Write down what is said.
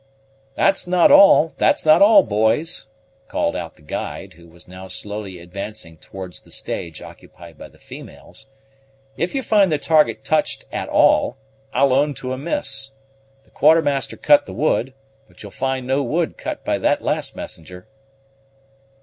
"That's not all, that's not all, boys," called out the guide, who was now slowly advancing towards the stage occupied by the females; "if you find the target touched at all, I'll own to a miss. The Quartermaster cut the wood, but you'll find no wood cut by that last messenger."